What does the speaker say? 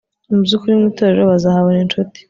mu by'ukuri, mu itorero bazahabona incuti